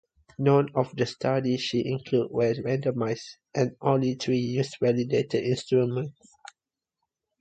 None of the studies she included were randomized and only three used validated instruments.